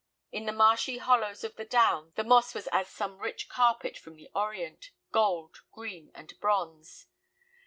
In the marshy hollows of the down the moss was as some rich carpet from the Orient, gold, green, and bronze.